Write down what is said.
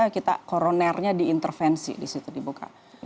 kita koronernya diintervensi di situ dibuka